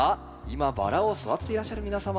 今バラを育てていらっしゃる皆様。